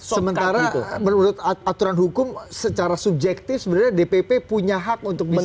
sementara menurut aturan hukum secara subjektif sebenarnya dpp punya hak untuk bisa